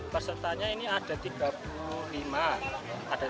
pesertanya ini ada tiga puluh lima